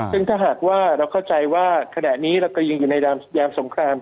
ซึ่งถ้าหากว่าเราเข้าใจว่าขณะนี้เราก็ยังอยู่ในยามสงคราม